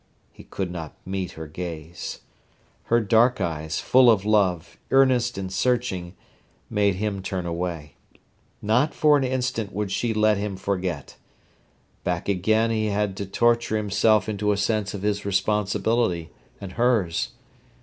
He could not meet her gaze. Her dark eyes, full of love, earnest and searching, made him turn away. Not for an instant would she let him forget. Back again he had to torture himself into a sense of his responsibility and hers.